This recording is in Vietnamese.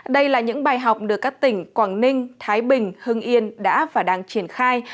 đây là những bài học được các tỉnh quảng ninh thái bình hưng yên đã và đang triển khai